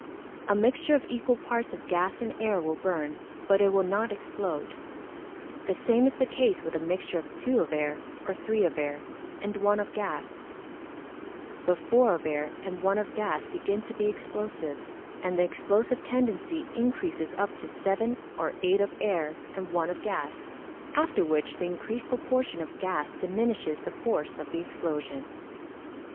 A mixture of equal parts of gas and air will burn, but it will not explode. The same is the case with a mixture of two of air, or three of air, and one of gas; but four of air and one of gas begin to be explosive, and the explosive tendency increases up to seven or eight of air and one of gas, after which the increased proportion of gas diminishes the force of the explosion.